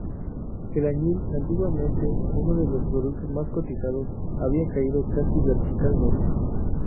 El añil, antiguamente uno de los productos más cotizados, había caído casi verticalmente.